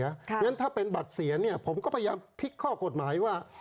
เพราะฉะนั้นถ้าเป็นบัตรเสียเนี่ยผมก็พยายามพลิกข้อกฎหมายว่า